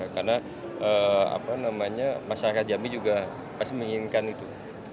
karena masyarakat jambi juga pasti menginginkan itu